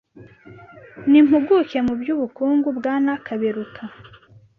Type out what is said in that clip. n’impuguke mu by’ubukungu Bwana Kaberuka,